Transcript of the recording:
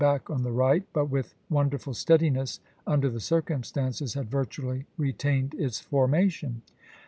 ' back on the right, but with wonderful steadiness, under the circumstances, had virtually retained its formation.